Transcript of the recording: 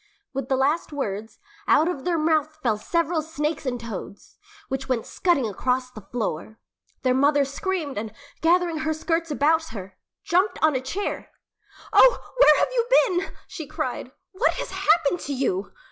With the last words, out of their mouths fell several snakes and toads, which went scudding across the floor. Their mother screamed and, gathering her skirts about her, jumped on a chair. "Oh, where have you been?" she cried. "What has happened to you?"